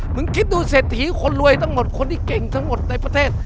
คิดดูเศรษฐีคนรวยทั้งหมดคนที่เก่งทั้งหมดในประเทศ